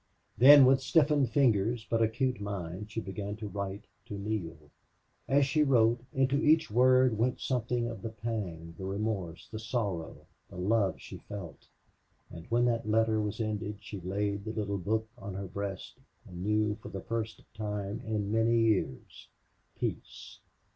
Then, with stiffened fingers, but acute mind, she began to write to Neale. As she wrote into each word went something of the pang, the remorse, the sorrow, the love she felt; and when that letter was ended she laid the little book on her breast and knew for the first time in many years peace.